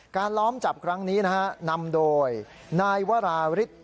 ล้อมจับครั้งนี้นะฮะนำโดยนายวราริส